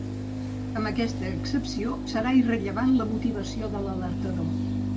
Amb aquesta excepció, serà irrellevant la motivació de l’alertador.